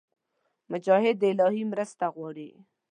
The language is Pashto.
مجاهد د الهي مرسته غواړي.